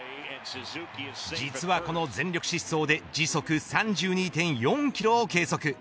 実は、この全力疾走で時速３２．４キロを計測。